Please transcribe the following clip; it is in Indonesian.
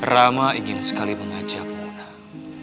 rama ingin sekali mengajakmu